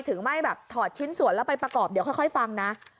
ถึงไม่แบบถอดชิ้นส่วนแล้วไปประกอบเดี๋ยวค่อยฟังนะ